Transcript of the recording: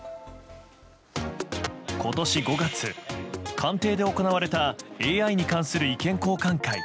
今年５月、官邸で行われたＡＩに関する意見交換会。